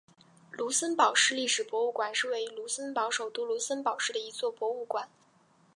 卢森堡市历史博物馆是位于卢森堡首都卢森堡市的一座博物馆。